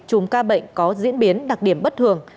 chùm ca bệnh có diễn biến đặc điểm bất thường